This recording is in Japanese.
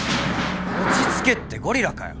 落ち着けってゴリラかよ。